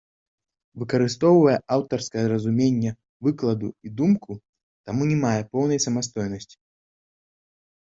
Выкарыстоўвае аўтарскае разуменне выкладу і думку, таму не мае поўнай самастойнасці.